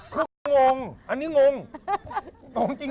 เขางงอันนี้งงผมจริง